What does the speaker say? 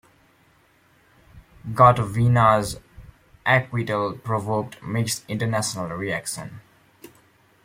Gotovina's acquittal provoked mixed international reaction.